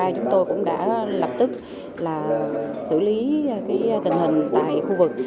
chúng tôi cũng đã lập tức xử lý tình hình tại khu vực